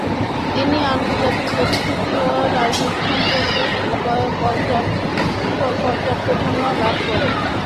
তিনি আন্তর্জাতিক পরিস্থিতি ও রাজনীতি সম্পর্কে পর্যাপ্ত ধারণা লাভ করেন।